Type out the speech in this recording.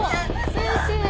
・・先生。